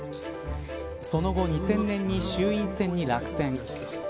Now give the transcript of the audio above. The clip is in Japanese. その後２０００年に衆院選に落選。